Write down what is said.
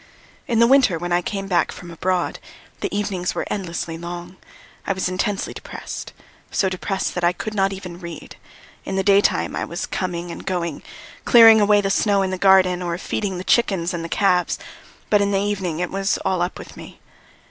In the winter when I came back from abroad, the evenings were endlessly long, I was intensely depressed, so depressed that I could not even read; in the daytime I was coming and going, clearing away the snow in the garden or feeding the chickens and the calves, but in the evening it was all up with me.